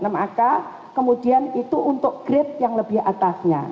maka kemudian itu untuk grade yang lebih atas